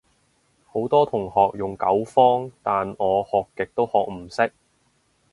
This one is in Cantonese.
好多同學用九方，但我學極都學唔識